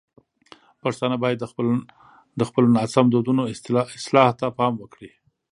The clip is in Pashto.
پښتانه باید د خپلو ناسم دودونو اصلاح ته پام وکړي.